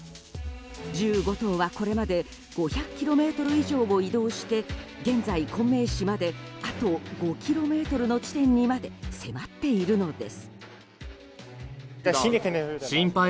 １５頭は、これまで５００ｋｍ以上も移動して現在、昆明市まであと５ｋｍの地点にまで迫っているのです。